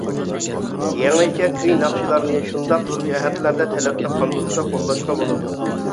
يېڭىچە كۈي ناخشىلارنى شۇنداق جەھەتلەردە تەلەپنى قاندۇرسا قوللاشقا بولىدۇ.